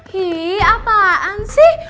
hii apaan sih